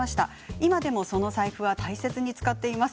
今でもその財布は大切に使っています。